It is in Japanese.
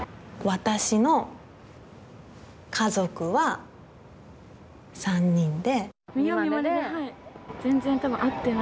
私の家族は３人で。